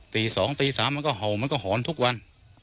ตี๒ตี๓มันก็เห่ามันก็หอนทุกวัน